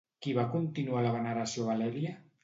Qui va continuar la veneració a Valèria?